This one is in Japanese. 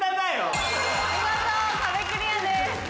見事壁クリアです。